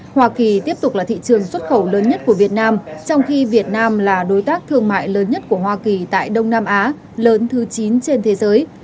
hoa kỳ tiếp tục là thị trường xuất khẩu lớn nhất của việt nam trong khi việt nam là đối tác thương mại lớn nhất của hoa kỳ tại đông nam á lớn thứ chín trên thế giới